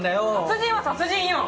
殺人は殺人よ！